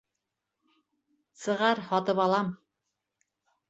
Сығар, һатып алам.